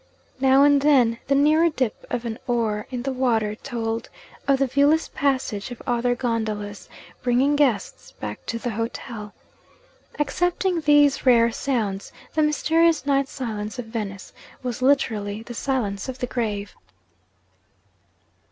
Now and then, the nearer dip of an oar in the water told of the viewless passage of other gondolas bringing guests back to the hotel. Excepting these rare sounds, the mysterious night silence of Venice was literally the silence of the grave.